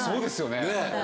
ねえ。